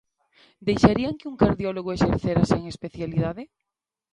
¿Deixarían que un cardiólogo exercera sen especialidade?